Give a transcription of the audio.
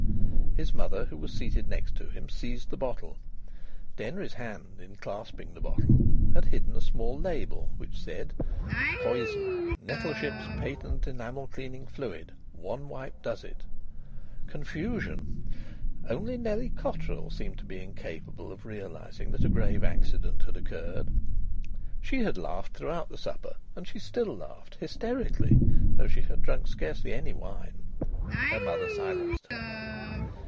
His mother, who was seated next to him, seized the bottle. Denry's hand, in clasping the bottle, had hidden a small label, which said: "POISON Nettleship's Patent Enamel Cleaning Fluid. One wipe does it." Confusion! Only Nellie Cotterill seemed to be incapable of realising that a grave accident had occurred. She had laughed throughout the supper, and she still laughed, hysterically, though she had drunk scarcely any wine. Her mother silenced her.